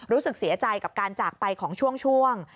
รู้สึกเสียใจกับการจากไปของช่วง